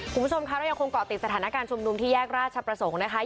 คุณผู้ชมคะเรายังคงเกาะติดสถานการณ์ชุมนุมที่แยกราชประสงค์นะคะ